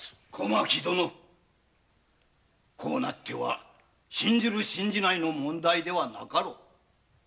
こうなっては信ずる信じないの問題ではなかろう。